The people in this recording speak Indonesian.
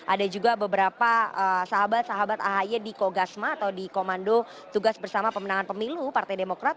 ada juga beberapa sahabat sahabat ahi di kogasma atau di komando tugas bersama pemenangan pemilu partai demokrat